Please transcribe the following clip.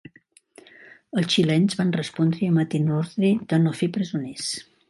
Els xilens van respondre emetent l'ordre de no fer presoners.